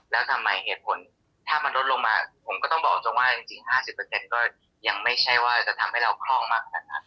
แล้วทำไมเหตุผลถ้ามันลดลงมาผมก็ต้องบอกตรงว่าจริง๕๐ก็ยังไม่ใช่ว่าจะทำให้เราคล่องมากขนาดนั้น